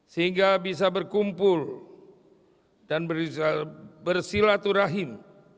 sehingga bisa berkumpul dan bersilaturahim